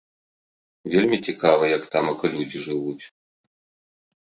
Вельмі цікава, як тамака людзі жывуць.